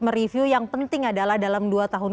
mereview yang penting adalah dalam dua tahun